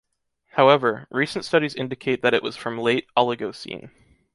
However, recent studies indicate that it was from late Oligocene.